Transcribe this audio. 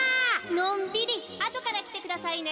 のんびりあとからきてくださいね。